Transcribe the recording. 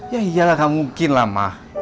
ya iyalah nggak mungkin lah ma